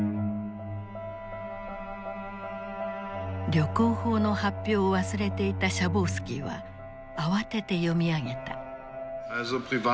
旅行法の発表を忘れていたシャボウスキーは慌てて読み上げた。